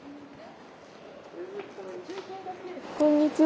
こんにちは。